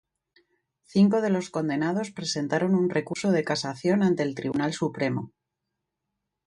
Cinco de los condenados presentaron un recurso de casación ante el Tribunal Supremo.